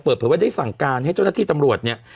เปิดเผยว่าได้สั่งการให้เจ้าหน้าที่ตำรวจเนี่ย